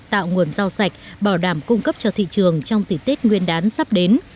tạo nguồn rau sạch bảo đảm cung cấp cho thị trường trong dịp tết nguyên đán sắp đến